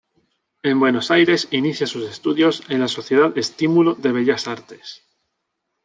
En Buenos Aires inicia sus estudios en la Sociedad Estímulo de Bellas Artes.